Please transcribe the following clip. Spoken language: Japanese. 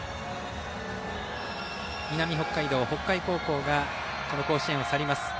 南北海道、北海高校がこの甲子園を去ります。